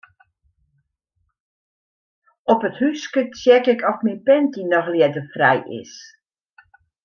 Op it húske check ik oft myn panty noch ljedderfrij is.